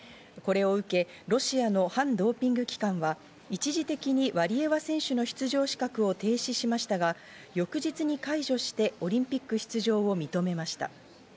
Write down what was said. これを受け、ロシアの反ドーピング機関は一時的にワリエワ選手の出場資格を停止しましたが、翌日に解除してオリンピック出場を認めました。